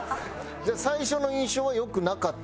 じゃあ最初の印象は良くなかった？